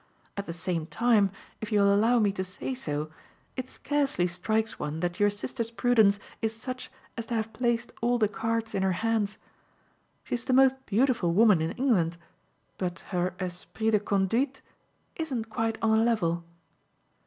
At the same time, if you'll allow me to say so, it scarcely strikes one that your sister's prudence is such as to have placed all the cards in her hands. She's the most beautiful woman in England, but her esprit de conduite isn't quite on a level.